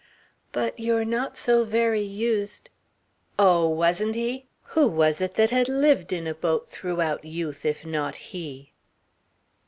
"But you're not so very used " Oh, wasn't he? Who was it that had lived in a boat throughout youth if not he?